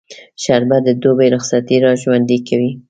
شربت د دوبی رخصتي راژوندي کوي